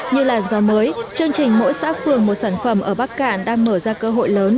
như là do mới chương trình mỗi xã phường một sản phẩm ở bắc cạn đang mở ra cơ hội lớn